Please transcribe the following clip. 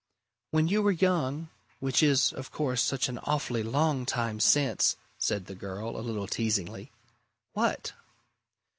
"When you were young which is, of course, such an awfully long time since!" said the girl, a little teasingly. "What?"